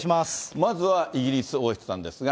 まずはイギリス王室なんですが。